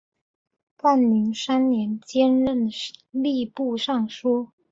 干宁三年兼任吏部尚书。